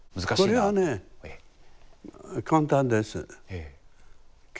これはね簡単です。